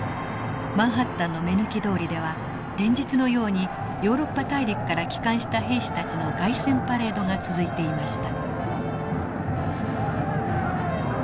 マンハッタンの目抜き通りでは連日のようにヨーロッパ大陸から帰還した兵士たちの凱旋パレードが続いていました。